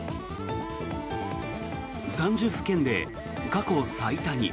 ３０府県で過去最多に。